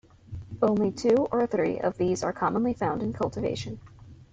Only two or three of these are commonly found in cultivation.